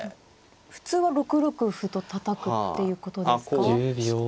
普通は６六歩とたたくっていうことですか。